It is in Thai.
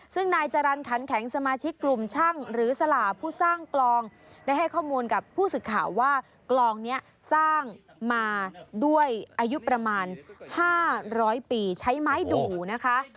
ซึ่งนายจรรย์ขันแข็งสมาชิกกลุ่มช่างหรือสลาผู้สร้างกลองได้ให้ข้อมูลกับผู้สื่อข่าวว่ากลองนี้สร้างมาด้วยอายุประมาณ๕๐๐ปีใช้ไม้ดูนะคะ